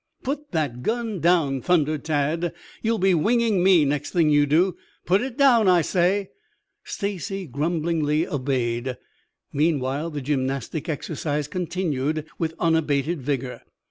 "Put that gun down!" thundered Tad. "You'll be winging me next thing you do. Put it down, I say!" Stacy grumblingly obeyed. Meanwhile the gymnastic exercise continued with unabated vigor.